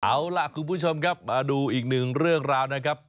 เอาล่ะคุณผู้ชมครับมาดูอีกหนึ่งเรื่องราวนะครับ